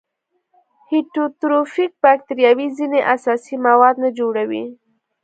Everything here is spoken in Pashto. هیټروټروفیک باکتریاوې ځینې اساسي مواد نه جوړوي.